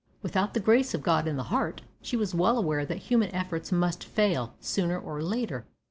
Without the grace of God in the heart, she was well aware that human efforts must fail, sooner or later.